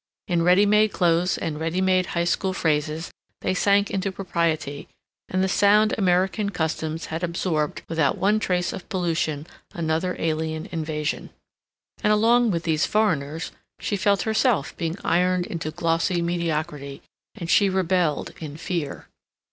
In ready made clothes and ready made high school phrases they sank into propriety, and the sound American customs had absorbed without one trace of pollution another alien invasion. And along with these foreigners, she felt herself being ironed into glossy mediocrity, and she rebelled, in fear.